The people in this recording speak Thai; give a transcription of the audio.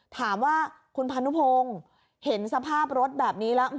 ถามว่าคุณพานุพงศ์เห็นสภาพรถแบบนี้แล้ว